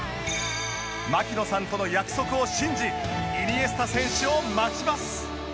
槙野さんとの約束を信じイニエスタ選手を待ちます